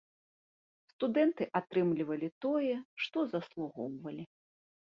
Студэнты атрымлівалі тое, што заслугоўвалі.